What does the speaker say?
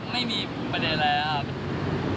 ไม่มีประเด็นอะไรครับ